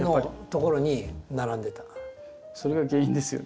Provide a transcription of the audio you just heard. それが原因ですよね。